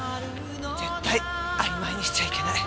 絶対あいまいにしちゃいけない。